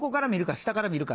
下から見るか？」。